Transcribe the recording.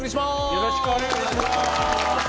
よろしくお願いします！